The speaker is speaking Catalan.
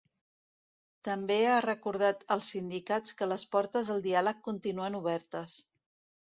També ha recordat als sindicats que les portes del diàleg continuen obertes.